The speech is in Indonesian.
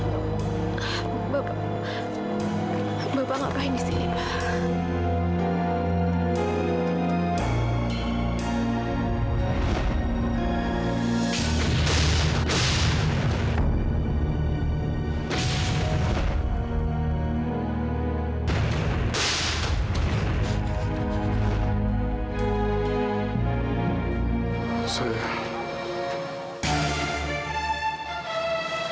tante tolong tante berisik